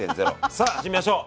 さあ始めましょう。